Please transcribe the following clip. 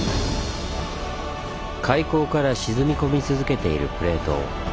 海溝から沈み込み続けているプレート。